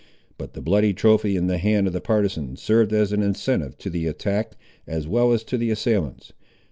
But the bloody trophy in the hand of the partisan served as an incentive to the attacked, as well as to the assailants.